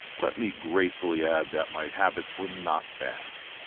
Let me gratefully add that my habits were not bad.